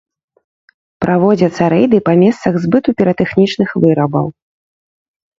Праводзяцца рэйды па месцах збыту піратэхнічных вырабаў.